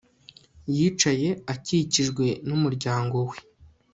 Yicaye akikijwe numuryango we